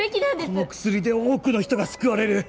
この薬で多くの人が救われる